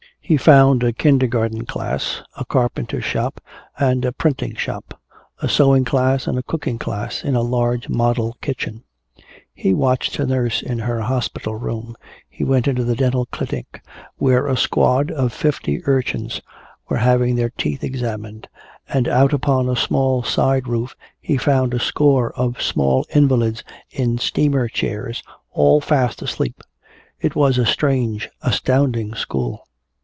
He found a kindergarten class, a carpenter shop and a printing shop, a sewing class and a cooking class in a large model kitchen. He watched the nurse in her hospital room, he went into the dental clinic where a squad of fifty urchins were having their teeth examined, and out upon a small side roof he found a score of small invalids in steamer chairs, all fast asleep. It was a strange astounding school!